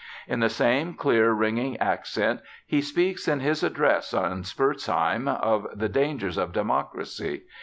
In the same clear, ringing accent he speaks in his address on Spurzheim of the dangers of democracy.